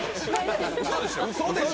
うそでしょ？